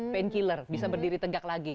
painkiller bisa berdiri tegak lagi